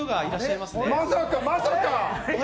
まさか、まさか。